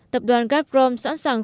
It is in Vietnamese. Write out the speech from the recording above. tập đoàn radform sẵn sàng